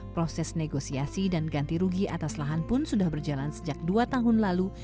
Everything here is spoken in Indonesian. proses negosiasi dan ganti rugi atas lahan pun sudah berjalan sejak dua tahun lalu